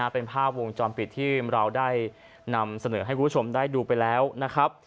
เป็นภาพวงจรปิดที่เราได้นำเสนอให้คุณผู้ชมได้ดูไปแล้วนะครับ